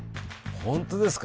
本当ですか？